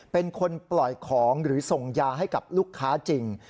เป็นคนปล่อยของหรือส่งยาให้กับลูกค้าจริง